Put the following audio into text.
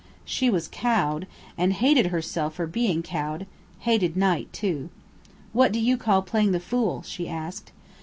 She was cowed, and hated herself for being cowed hated Knight, too. "What do you call playing the fool?" she asked.